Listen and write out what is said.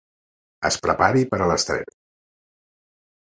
Es prepari per a l'estrena.